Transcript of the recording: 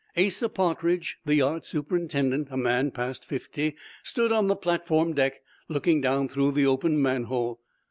Asa Partridge, the yard superintendent, a man past fifty, stood on the platform deck, looking down through the open manhole.